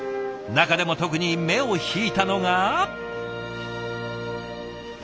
中でも特に目を引いたのが。